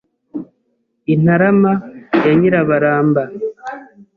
I Ntarama ya Nyirabaramba